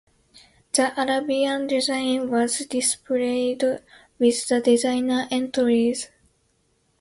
The "Arabian" design was displayed with the designer entries.